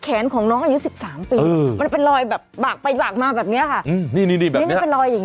แขนของน้องอายุ๑๓ปีลอยแบบบากไปมาแบบเนี่ยค่ะนี่นี่แบบนี้ลอยอย่าง